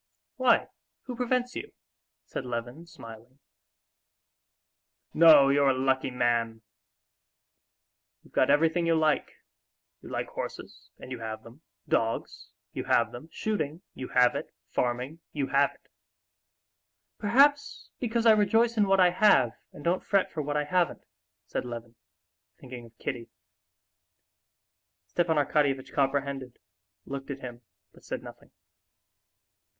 "Why, who prevents you?" said Levin, smiling. "No, you're a lucky man! You've got everything you like. You like horses—and you have them; dogs—you have them; shooting—you have it; farming—you have it." "Perhaps because I rejoice in what I have, and don't fret for what I haven't," said Levin, thinking of Kitty. Stepan Arkadyevitch comprehended, looked at him, but said nothing.